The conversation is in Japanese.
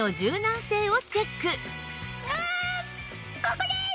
ここです！